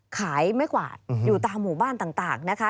ขายไม่กวาดอยู่ตามหมู่บ้านต่างนะคะ